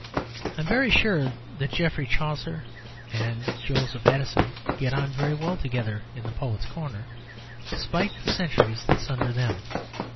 I am very sure that Geoffrey Chaucer and Joseph Addison get on very well together in the Poets' Corner, despite the centuries that sunder them.